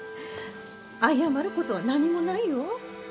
謝ることは何もないよ。